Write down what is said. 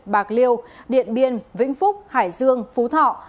bạc liêu điện biên vĩnh phúc hải dương phú thọ